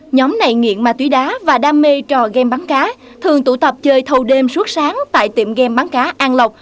nhóm này nghiện mà túi đá và đam mê trò game bán cá thường tụ tập chơi thâu đêm suốt sáng tại tiệm game bán cá an lộc